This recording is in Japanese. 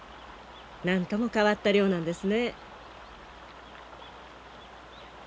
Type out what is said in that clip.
なんとも変わった漁なんですね。